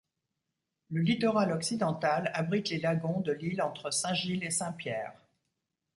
Le littoral occidental abrite les lagons de l'île entre Saint-Gilles et Saint-Pierre.